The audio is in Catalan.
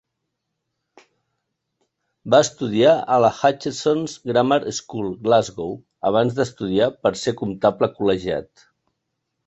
Va estudiar a la Hutchesons' Grammar School, Glasgow, abans d'estudiar per a ser comptable col·legiat.